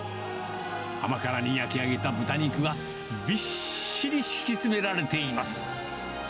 甘辛に焼き上げた豚肉は、びっしり敷き詰められています。